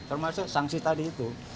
termasuk sanksi tadi itu